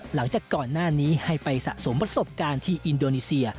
หลังจากก่อนหน้านี้ให้ไปสะสมประสบการณ์ที่อินโดนีเซีย